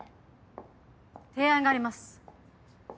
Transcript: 提案があります。